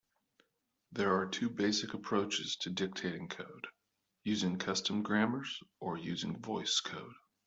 There are two basic approaches to dictating code: using custom grammars or using VoiceCode.